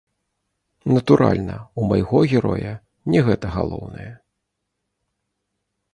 Натуральна, у майго героя не гэта галоўнае.